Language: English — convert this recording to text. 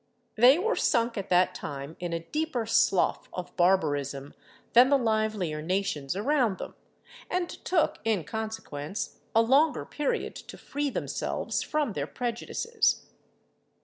They were sunk at that time in a deeper slough of barbarism than the livelier nations around them, and took, in consequence, a longer period to free themselves from their prejudices.